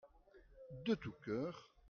De tout cœur.